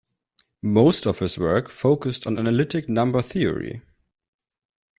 Most of his work focused on analytic number theory.